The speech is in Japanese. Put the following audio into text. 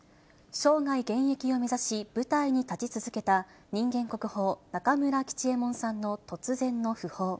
生涯現役を目指し、舞台に立ち続けた人間国宝、中村吉右衛門さんの突然の訃報。